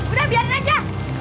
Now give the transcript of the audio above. udah biarin aja